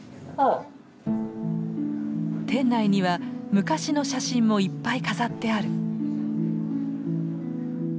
店内には昔の写真もいっぱい飾ってある。